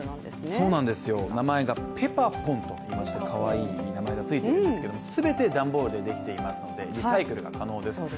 そうなんですよ、名前がペパポンといいましてかわいい名前がついているんですけども全て段ボールでできていますのでリサイクルが可能です。